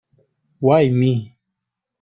Why Me?